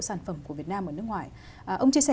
sản phẩm của việt nam ở nước ngoài ông chia sẻ